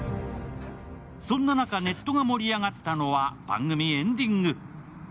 そんな中、ネットが盛り上がったのは番組エンディング。